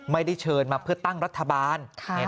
ไม่ได้เชิญมาเพื่อตั้งรัฐบาล